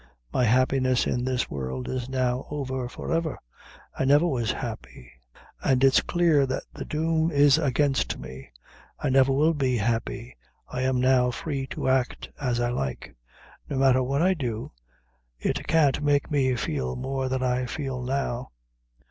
My happiness in this world is now over forever. I never was happy; an' its clear that the doom is against me; I never will be happy. I am now free to act as I like. No matther what I do, it can't make me feel more than I feel now.